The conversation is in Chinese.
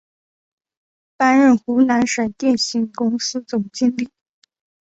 担任湖南省电信公司总经理。